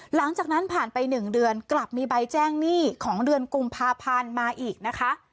หลังจากนั้นผ่านไป๑เดือนกลับมีใบแจ้งหนี้ของเดือนกุมภาพันธ์มาอีกนะคะ